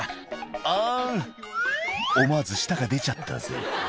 「あん」「思わず舌が出ちゃったぜ」